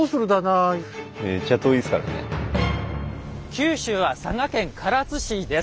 九州は佐賀県唐津市です。